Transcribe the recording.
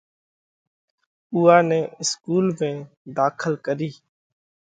اُوئا نئہ اسڪُول ۾ ڌاخل ڪرِيه۔